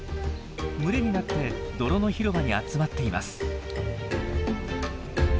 群れになって泥の広場に集まっています。